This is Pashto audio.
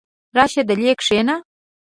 راشه دلې کښېنه!